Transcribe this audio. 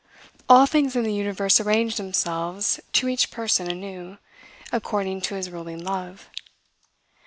All things in the universe arrange themselves to each person anew, according to his ruling love.